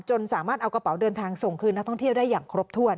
สามารถเอากระเป๋าเดินทางส่งคืนนักท่องเที่ยวได้อย่างครบถ้วน